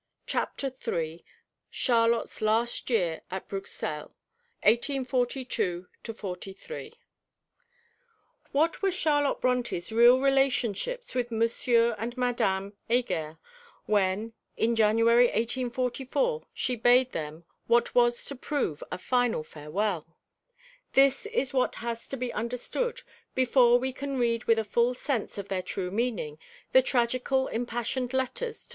CHAPTER III CHARLOTTE'S LAST YEAR AT BRUSSELS 1842 43 What were Charlotte Brontë's real relationships with Monsieur and Madame Heger when, in January 1844, she bade them, what was to prove, a final farewell? This is what has to be understood before we can read with a full sense of their true meaning the tragical impassioned Letters to M.